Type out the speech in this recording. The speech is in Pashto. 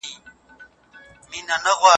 کمپيوټر د عصري ژوند برخه ده.